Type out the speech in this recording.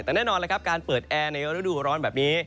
แต่แน่นอนการเปิดแอร์ในฤดูร้อนแบบนี้